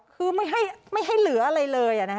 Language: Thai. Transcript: คือไม่ให้เหลืออะไรเลย